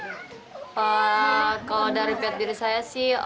kalau dari pihak diri saya sih intinya kami menunggu saja